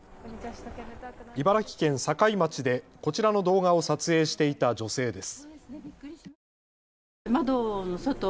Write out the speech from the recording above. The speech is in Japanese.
茨城県境町でこちらの動画を撮影していた女性です。